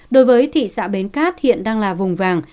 đối với thị xã bến cát hiện đang là vùng vàng